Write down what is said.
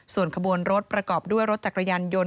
ส่วนขบวนรถประกอบด้วยรถจักรยานยนต